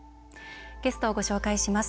ゲストをご紹介します。